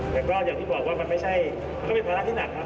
แต่ก็อย่างที่บอกว่ามันไม่ใช่ก็เป็นภาระที่หนักครับ